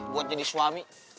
buat jadi suami